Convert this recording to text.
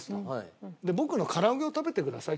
僕のから揚げを食べてください。